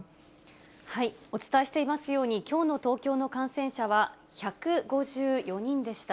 お伝えしていますように、きょうの東京の感染者は１５４人でした。